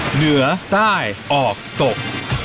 เหนือใต้ออกตก